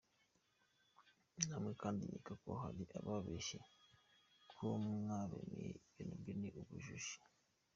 Namwe kandi nkeka ko hari ababeshye ko mwabemeye, ibyo nabyo ni ubujiji.